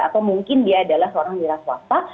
atau mungkin dia adalah seorang wiras wakta